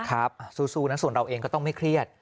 ครับสู้นะส่วนเราเองก็ต้องไม่เครียด